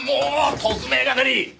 特命係！